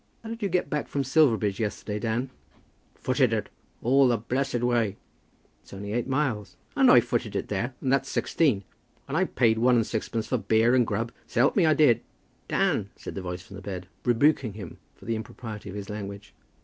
"How did you get back from Silverbridge yesterday, Dan?" "Footed it, all the blessed way." "It's only eight miles." "And I footed it there, and that's sixteen. And I paid one and sixpence for beer and grub; s'help me, I did." "Dan!" said the voice from the bed, rebuking him for the impropriety of his language.